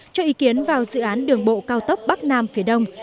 cho ý kiến vào dự án đường bộ cao tốc bắc nam phía đông